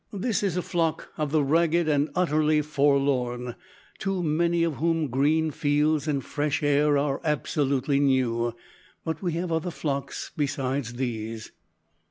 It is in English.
This is a flock of the ragged and utterly forlorn, to many of whom green fields and fresh air are absolutely new, but we have other flocks besides these."